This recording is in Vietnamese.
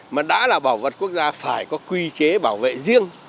mà đã là bảo vật quốc gia phải có quy chế bảo vệ riêng